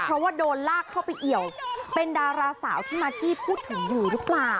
เพราะว่าโดนลากเข้าไปเอี่ยวเป็นดาราสาวที่มากกี้พูดถึงอยู่หรือเปล่า